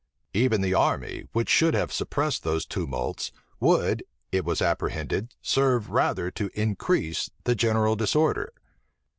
Even the army, which should have suppressed those tumults, would, it was apprehended, serve rather to increase the general disorder.